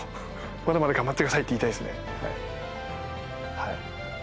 「まだまだ頑張ってください」って言いたいですね。